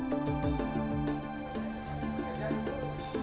dan kehooj pelebak anda untukudesi tanggal